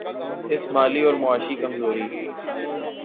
اس مالی اور معاشی کمزوری